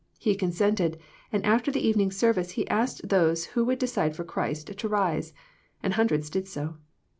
He consented, and after the evening service he asked those who would decide for Christ to rise, and hundreds did so.